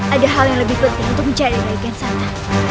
ada hal yang lebih penting untuk mencari bagian sana